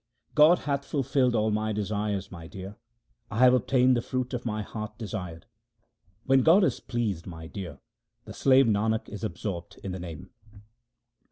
3 i8 THE SIKH RELIGION God hath fulfilled all my desires, my dear ; I have obtained the fruit my heart desired. When God is pleased, my dear, the slave Nanak is ab sorbed in the Name.